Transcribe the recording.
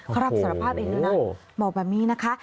เขารับสารภาพเองด้วยนะบอกแบบนี้นะคะ